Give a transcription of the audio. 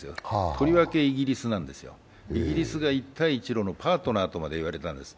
とりわけイギリスなんですよ、イギリスが一帯一路のパートナーとまでいわれていたんですよ。